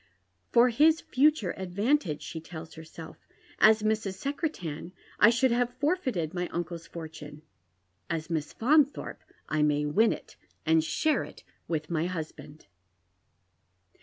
" For liis future advantage," she tells herself ;" as Mrs. Secretan I should have forfeited my uncle's fortune — as Miss Faunthorpe I may win it and share it with my husband."